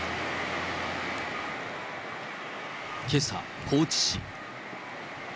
けさ、高知市。